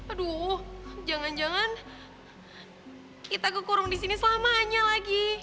aduh jangan jangan kita kekurung di sini selamanya lagi